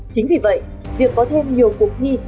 chính vì vậy việc có thêm nhiều cuộc thi